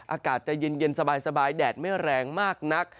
อากาศจะเย็นสบายแดดไม่แรงมากนัก